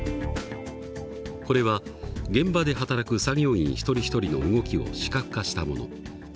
これは現場で働く作業員一人一人の動きを視覚化したもの。